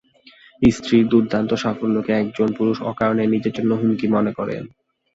স্ত্রীর দুর্দান্ত সাফল্যকে একজন পুরুষ অকারণে নিজের জন্য হুমকি মনে করেন।